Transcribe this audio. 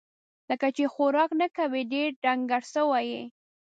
لکه چې خوراک نه کوې ، ډېر ډنګر سوی یې